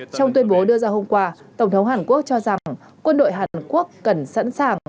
trong tuyên bố đưa ra hôm qua tổng thống hàn quốc cho rằng quân đội hàn quốc cần sẵn sàng